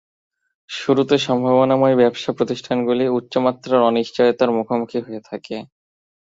শুরুতে সম্ভাবনাময় নতুন ব্যবসা প্রতিষ্ঠানগুলি উচ্চমাত্রার অনিশ্চয়তার মুখোমুখি হয়ে থাকে।